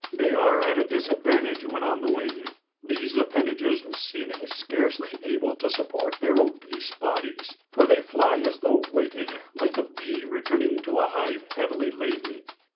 They are at a disadvantage when on the wing, these appendages seeming scarcely able to support their obese bodies, for they fly as though weighted like a bee returning to a hive heavily laden.